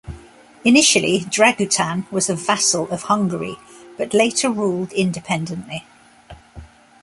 Initially, Dragutin was a vassal of Hungary but later ruled independently.